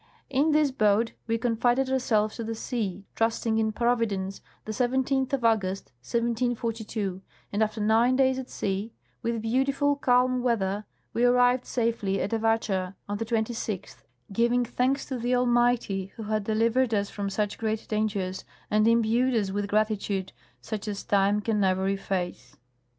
In this boat we confided ourselves to the sea, trusting in Providence, the 17th of August, 1742, and after nine days at sea, with beautiful calm weather, we arrived safely at Avatscha on the 26th, giving thanks to the Almighty,, who had delivered us from such great dangers, and imbued us with gratitude such as time can never efface.